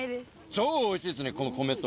超おいしいっすこの米と。